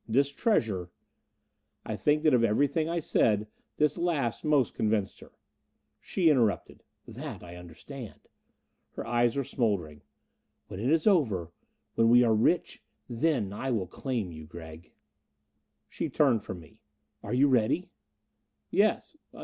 This treasure " I think that of everything I said, this last most convinced her. She interrupted, "That I understand." Her eyes were smoldering. "When it is over when we are rich then I will claim you, Gregg." She turned from me. "Are you ready?" "Yes.